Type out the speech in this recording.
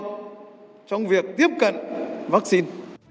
không ai đứng ngoài cuộc trong việc tiếp cận vắc xin